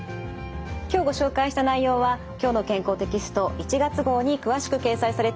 今日ご紹介した内容は「きょうの健康」テキスト１月号に詳しく掲載されています。